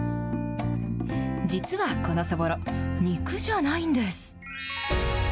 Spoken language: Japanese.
実はこのそぼろ、肉じゃないんです。